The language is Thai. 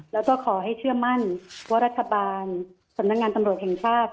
แล้วก็ขอให้เชื่อมั่นว่ารัฐบาลสำนักงานตำรวจแห่งชาติ